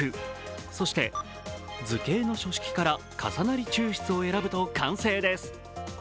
そして図形の書式から重なり抽出を選ぶと完成です。